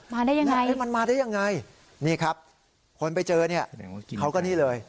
มาได้ยังไงมันมาได้ยังไงนี่ครับคนไปเจอเนี่ยเขาก็นี่เลย